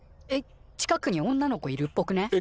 えっ近くに女の子いるっぽくね？